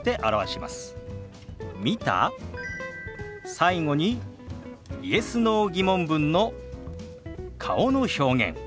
最後にＹｅｓ／Ｎｏ−疑問文の顔の表現。